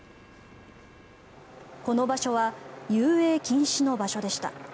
この場所は遊泳禁止の場所でした。